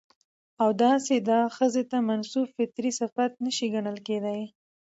او داسې دا ښځو ته منسوب فطري صفت نه شى ګڼل کېداى.